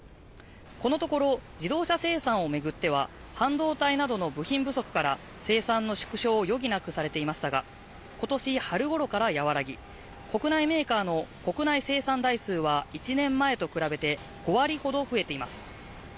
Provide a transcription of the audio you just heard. このところ自動車生産を巡っては、半導体などの部品不足から生産の縮小を余儀なくされていましたが、今年春ごろから和らぎ、国内メーカーの国内生産台数は１年前と比べて５割ほど増えています。